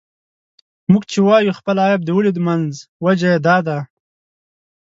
موږ چې وايو خپل عيب د ولیو منځ دی، وجه یې دا ده.